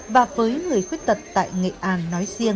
và với người khuyết tật tại nghệ an nói riêng